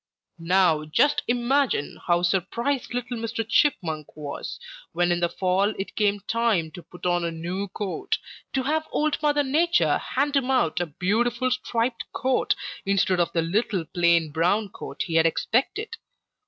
"Now just imagine how surprised little Mr. Chipmunk was, when in the fall it came time to put on a new coat, to have Old Mother Nature hand him out a beautiful striped coat instead of the little plain brown coat he had expected.